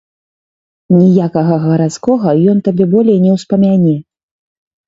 Ніякага гарадскога ён табе болей не ўспамяне.